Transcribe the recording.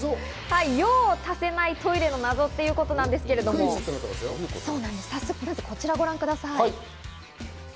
用を足せないトイレの謎ということなんですが、こちらをご覧ください。